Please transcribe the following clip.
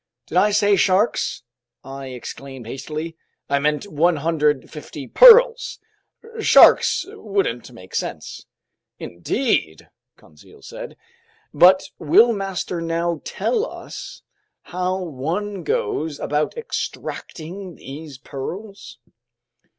"Did I say sharks?" I exclaimed hastily. "I meant 150 pearls. Sharks wouldn't make sense." "Indeed," Conseil said. "But will master now tell us how one goes about extracting these pearls?"